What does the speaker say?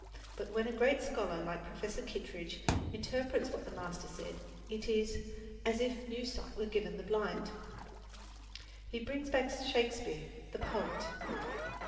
But when a great scholar like Professor Kittredge interprets what the master said, it is "as if new sight were given the blind." He brings back Shakespeare, the poet.